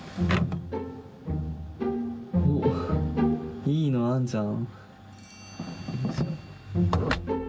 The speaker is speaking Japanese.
おっいいのあんじゃん。